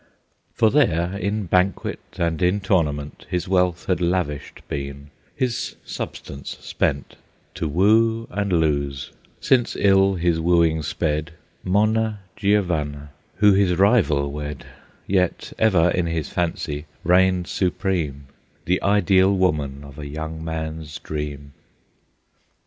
For there, in banquet and in tournament, His wealth had lavished been, his substance spent, To woo and lose, since ill his wooing sped, Monna Giovanna, who his rival wed, Yet ever in his fancy reigned supreme, The ideal woman of a young man's dream.